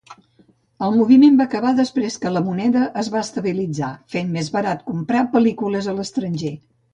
El moviment va acabar després que la moneda es va estabilitzar, fent més barat comprar pel·lícules a l'estranger.